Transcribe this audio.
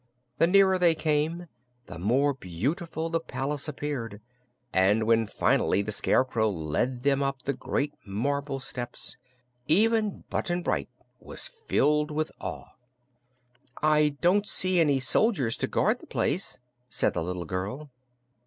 The nearer they came, the more beautiful the palace appeared, and when finally the Scarecrow led them up the great marble steps, even Button Bright was filled with awe. "I don't see any soldiers to guard the place," said the little girl.